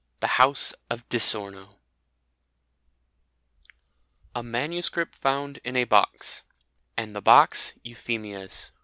THE HOUSE OF DI SORNO A MANUSCRIPT FOUND IN A BOX And the box, Euphemia's.